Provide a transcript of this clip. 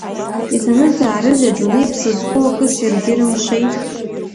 Изаныӡаарызеи адунеи, ԥсызхоу акыс иаргьы рымшеи?